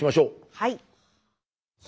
はい。